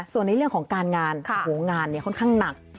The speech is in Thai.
ส่วนในเรื่องของการงานงานค่อนข้างหนัก